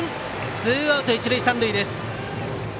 ツーアウト、一塁三塁です。